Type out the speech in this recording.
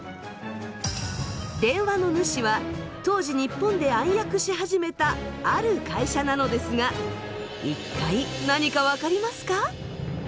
電話の主は当時日本で暗躍し始めたある会社なのですが一体何か分かりますか？